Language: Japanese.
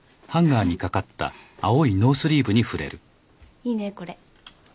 いいねこれ。